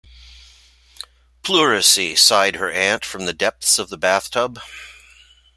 "Pleurisy," sighed her Aunt, from the depths of the bath-tub.